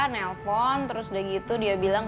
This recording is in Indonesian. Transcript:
nelpon terus udah gitu dia bilang